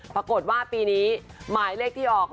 ปรากฏว่าปีนี้หมายเลขที่ออก